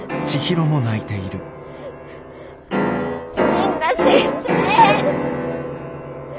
みんな死んじゃえ。